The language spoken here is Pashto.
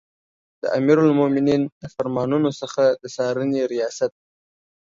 د امیرالمؤمنین د فرمانونو څخه د څارنې ریاست